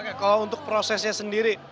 oke kalau untuk prosesnya sendiri